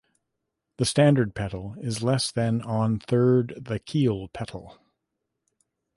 The standard petal is less than on third the keel petal.